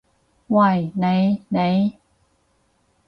喂，你！你！